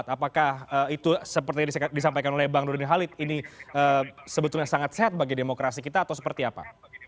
apakah itu seperti yang disampaikan oleh bang nurdin halid ini sebetulnya sangat sehat bagi demokrasi kita atau seperti apa